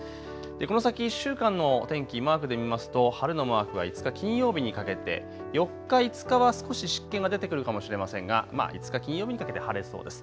この先１週間の天気、マークで見ますと晴れのマークは５日金曜日にかけて、４日、５日は少し湿気が出てくるかもしれませんが５日金曜日にかけて晴れそうです。